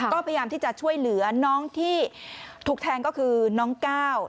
ก็พยายามที่จะช่วยเหลือน้องที่ถูกแทงก็คือน้องก้าว